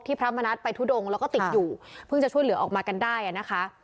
พระมณัฐไปทุดงแล้วก็ติดอยู่เพิ่งจะช่วยเหลือออกมากันได้อ่ะนะคะ